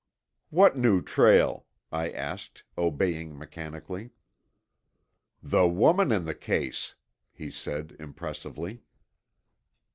"What new trail?" I asked, obeying mechanically. "The woman in the case," he said impressively.